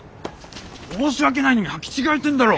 申し訳ないの意味履き違えてんだろ。